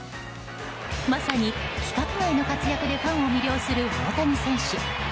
まさに規格外の活躍でファンを魅了する大谷選手。